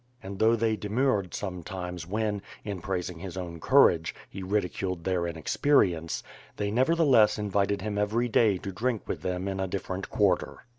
And though they demurred sometimes when, in praising his own courage, he ridiculed their inexperience, they nevertheless invited him every day to drink with them in a different quarter.